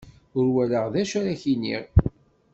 Ur walaɣ acu ar ak-d-iniɣ.